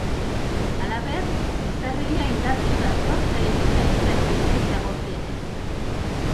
Halaber, urtarrila indartsu dator telebista estrainaldiei dagokienez.